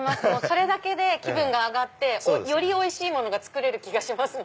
それだけで気分が上がってよりおいしいものが作れる気がします。